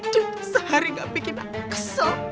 duh sehari nggak bikin aku kesel